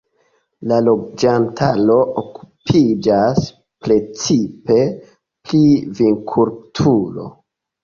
La loĝantaro okupiĝas precipe pri vinkulturo.